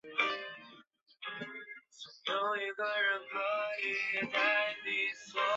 膦有时也专指磷化氢。